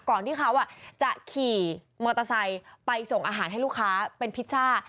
ก่อนที่เขาจะขี่มอเตอร์ไซค์ไปส่งอาหารให้ลูกค้าเป็นพิซซ่า